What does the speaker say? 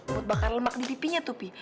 buat bakar lemak di pipinya tuh pi